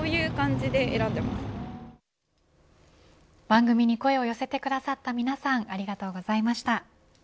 番組に声を寄せてくださった皆さんありがとうございました。